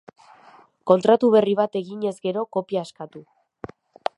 Kontratu berri bat eginez gero, kopia eskatu.